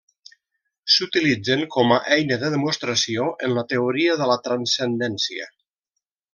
S'utilitzen com a eina de demostració en la teoria de la transcendència.